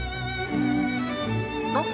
あっ。